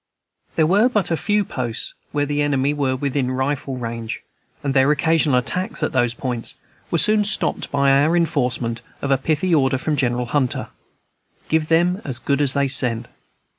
There were but few posts where the enemy were within rifle range, and their occasional attacks at those points were soon stopped by our enforcement of a pithy order from General Hunter, "Give them as good as they send."